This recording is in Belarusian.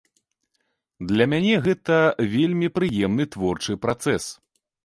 Для мяне гэта вельмі прыемны творчы працэс!